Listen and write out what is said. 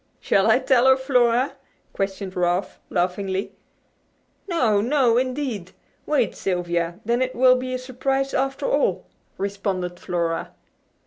"Shall I tell her, Flora?" questioned Ralph, laughingly. "No! No, indeed! Wait, Sylvia, then it will be a surprise after all," responded Flora.